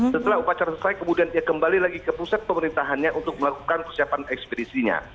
setelah upacara selesai kemudian dia kembali lagi ke pusat pemerintahannya untuk melakukan persiapan ekspedisinya